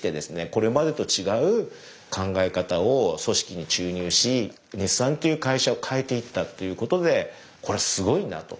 これまでと違う考え方を組織に注入し日産という会社を変えていったということでこれはすごいなと。